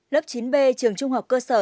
lớp chín b trường trung học cơ sở